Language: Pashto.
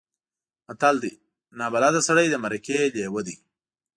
متل دی: نابلده سړی د مرکې لېوه دی.